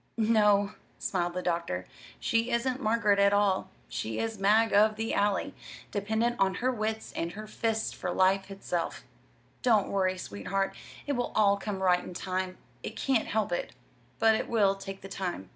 "No," smiled the doctor. "She isn't Margaret at all. She is Mag of the Alley, dependent on her wits and her fists for life itself. Don't worry, sweetheart. It will all come right in time; it can't help it! but it will take the time."